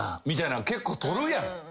みたいな結構取るやん。